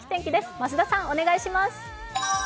増田さんお願いします。